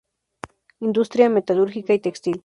Industria metalúrgica y textil.